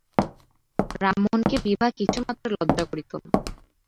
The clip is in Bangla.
রামমোহনকে বিভা কিছুমাত্র লজ্জা করিত না।